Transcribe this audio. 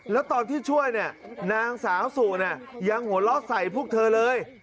แล้วตอนที่ช่วยเนี่ยนางสาวสู่ยังหัวเราะใส่พวกเธอเลย